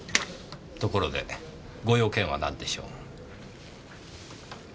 ところでご用件は何でしょう？